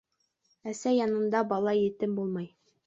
Әсә янында бала етем булмай.